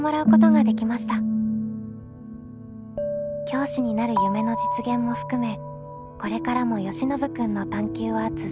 教師になる夢の実現も含めこれからもよしのぶ君の探究は続いていくようです。